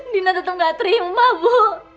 dina tetap gak terima bu